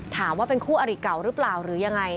ถามว่าเป็นคู่อริเก่าหรือเปล่าหรือยังไง